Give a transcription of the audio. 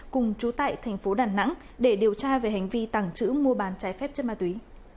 cùng trú tại tp đà nẵng để điều tra về hành vi tàng trữ mua bàn trái phép chất ma túy